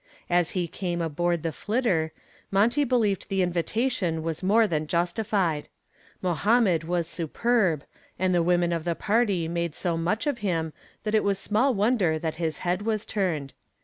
As he came aboard the "Flitter," Monty believed the invitation was more than justified. Mohammed was superb, and the women of the party made so much of him that it was small wonder that his head was turned.